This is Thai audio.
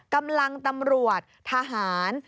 กำลังตำรวจทหาร